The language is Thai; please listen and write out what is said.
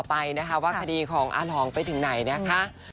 ไม่ได้ซีเรียสครับ